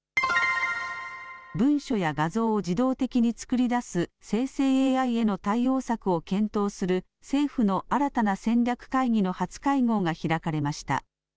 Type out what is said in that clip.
文書や画像を自動的に作り出す生成ＡＩへの対応策を検討する政府の新たな戦略会議の初会合が開かれました。